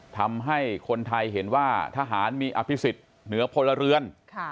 ทำให้คนไทยเห็นว่าทหารมีอภิษฎเหนือพลเรือน